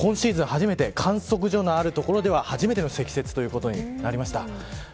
初めて観測所のある所では初めての積雪ということになりました。